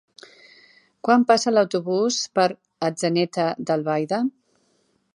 Quan passa l'autobús per Atzeneta d'Albaida?